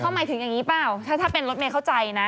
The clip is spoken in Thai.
เขาหมายถึงอย่างนี้เปล่าถ้าเป็นรถเมย์เข้าใจนะ